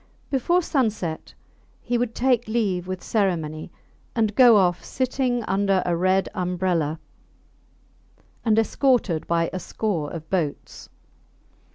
Before sunset he would take leave with ceremony, and go off sitting under a red umbrella, and escorted by a score of boats.